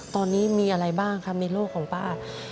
ตอนนี้มีอะไรบ้างครับในโลกของป้า